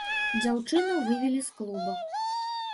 Дзяўчыну вывелі з клуба.